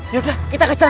yaudah kita kejar dia aja